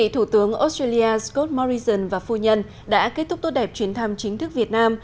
thủ tướng australia scott morrison và phu nhân đã kết thúc tốt đẹp chuyến thăm chính thức việt nam